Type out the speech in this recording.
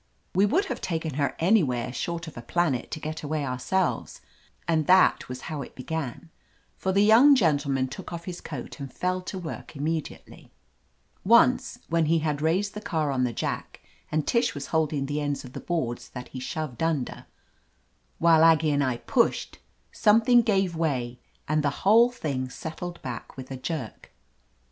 We would have taken her znywhtre short of a planet to get away ourselves, and that was how it began; for the young gentleman took 247 THE AMAZING ADVENTURES off his coat and fell to work immediately. Once, when he had raised the car on the jack and Tish was holding the ends of the boards that he shoved under, while Aggie and I pushed, something gave way and the whole thing settled back with a jerk.